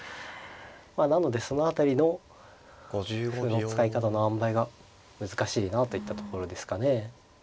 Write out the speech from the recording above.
まあなのでその辺りの歩の使い方のあんばいが難しいなといったところですかね。